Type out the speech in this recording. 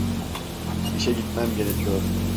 İşe gitmem gerekiyor.